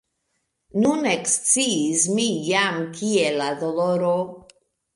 Nun eksciis mi jam, kie la doloro?